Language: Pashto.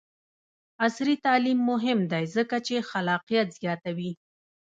عصري تعلیم مهم دی ځکه چې خلاقیت زیاتوي.